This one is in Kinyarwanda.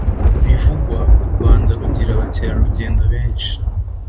bivugwa u Rwanda rugira abakerarugendo benshi